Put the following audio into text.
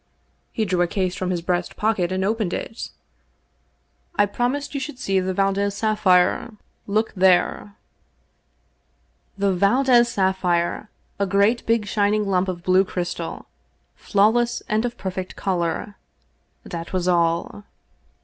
He drew a case from his breast pocket and opened it. " I promised you should see the Valdez sapphire. Look there!" The Valdez sapphire I A great big shining lump of blue crystal — flawless and of perfect color — ^that was all.